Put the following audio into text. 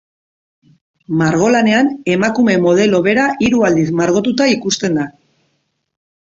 Margolanean emakume modelo bera hiru aldiz margotuta ikusten da.